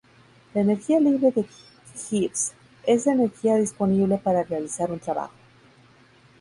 La energía libre de Gibbs es la energía disponible para realizar un trabajo.